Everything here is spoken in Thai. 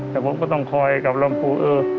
แต่ผมก็ต้องคอยกับรอบครู